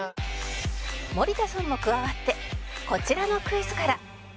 森田さんも加わってこちらのクイズから